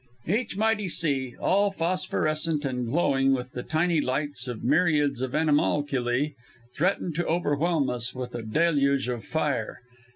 Each mighty sea, all phosphorescent and glowing with the tiny lights of myriads of animalculæ, threatened to overwhelm us with a deluge of fire.